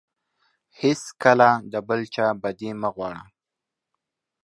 هیڅکله د بل چا بدي مه غواړه.